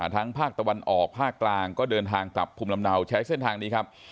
ภาคตะวันออกภาคกลางก็เดินทางกลับภูมิลำเนาใช้เส้นทางนี้ครับ